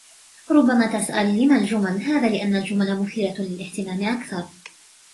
ربما تسأل ، لمَ الجمل ؟ هذا لأن الجمل مثيرة للاهتمام أكثر.